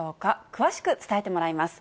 詳しく伝えてもらいます。